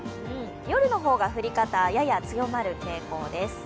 夜の方が降り方やや強まる傾向です。